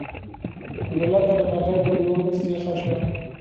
غولکه د مرغۍ په لور سیخه شوه.